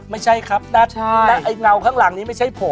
ไม่ใช่ครับด้านน้ำเข้างล่างไม่ใช่ผม